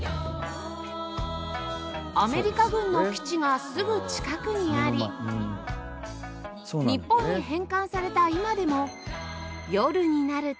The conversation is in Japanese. アメリカ軍の基地がすぐ近くにあり日本に返還された今でも